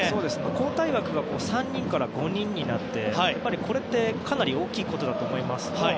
交代枠が３人から５人になるってかなり大きいことだと思います。